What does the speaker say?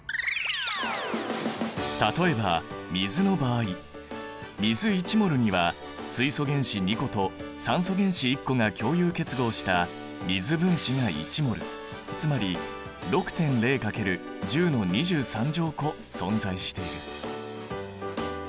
例えば水の場合水１ｍｏｌには水素原子２個と酸素原子１個が共有結合した水分子が１ｍｏｌつまり６．０×１０の２３乗個存在している。